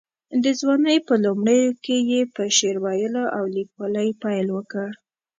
د ځوانۍ په لومړیو کې یې په شعر ویلو او لیکوالۍ پیل وکړ.